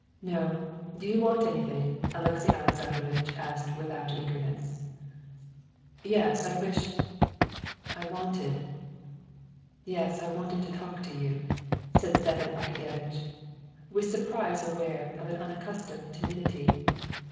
"No. Do you want anything?" Alexey Alexandrovitch asked without eagerness. "Yes, I wished ... I wanted ... yes, I wanted to talk to you," said Stepan Arkadyevitch, with surprise aware of an unaccustomed timidity.